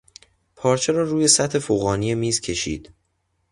پارچه را روی سطح فوقانی میز کشید.